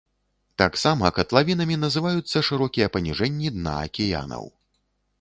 Таксама катлавінамі называюцца шырокія паніжэнні дна акіянаў.